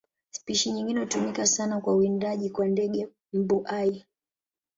Spishi nyingine hutumika sana kwa uwindaji kwa ndege mbuai.